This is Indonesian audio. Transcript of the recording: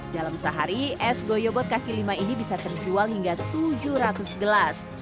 dalam sehari es goyobot kaki lima ini bisa terjual hingga tujuh ratus gelas